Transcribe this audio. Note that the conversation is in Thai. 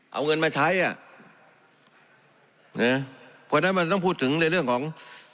เอาเงินมาใช้อ่ะนะเพราะฉะนั้นมันต้องพูดถึงในเรื่องของ